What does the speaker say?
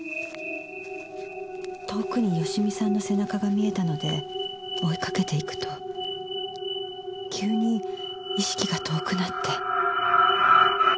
遠くに芳美さんの背中が見えたので追いかけていくと急に意識が遠くなって。